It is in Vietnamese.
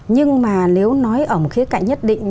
nhưng mà nếu nói ở một khía cạnh nhất định